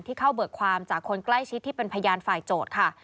เข้าเบิกความจากคนใกล้ชิดที่เป็นพยานฝ่ายโจทย์ค่ะ